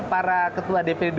para ketua dpd i